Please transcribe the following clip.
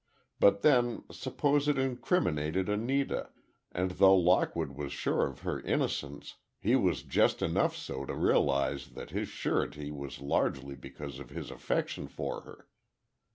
But, then, suppose it incriminated Anita, and though Lockwood was sure of her innocence, he was just enough so to realize that his surety was largely because of his affection for her.